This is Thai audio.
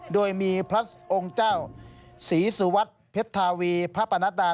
โดยมีพระองค์เจ้าศรีสุวรรค์เพ็ดทาวีพระประณาตา